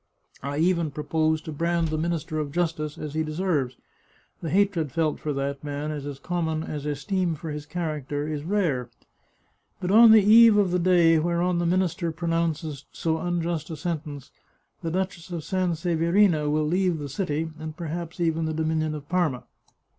I even propose to brand the Min ister of Justice as he deserves ; the hatred felt for that man is as common as esteem for his character is rare. But on the eve of the day whereon the minister pronounces so un just a sentence, the Duchess of Sanseverina will leave the city, and perhaps even the dominion of Parma.